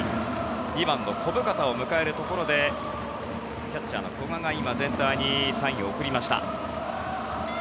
２番の小深田を迎えるところでキャッチャーの古賀が今、全体にサインを送りました。